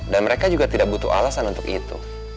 dan mereka juga tidak butuh alasan untuk itu